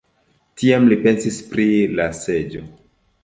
Tiam li pensis pri la seĝo.